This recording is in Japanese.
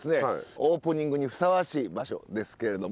オープニングにふさわしい場所ですけれども。